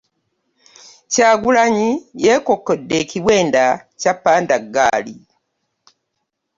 Kyagulanyi yeekokkodde ekiwenda kya ‘Pandagaali'